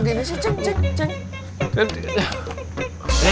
gini sih ceng ceng ceng